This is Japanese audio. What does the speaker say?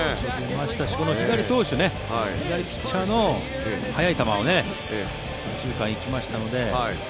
出ましたし左ピッチャーの速い球を左中間へ行きましたので。